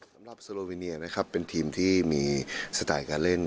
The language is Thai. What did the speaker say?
สำหรับโซโลวิเนียนะครับเป็นทีมที่มีสไตล์การเล่น